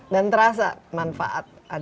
dan terasa manfaat